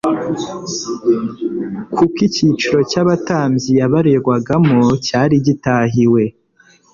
kuko icyiciro cy'abatambyi yabarwagamo cyari gitahiwe